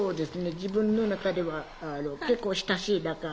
自分の中では結構親しい仲。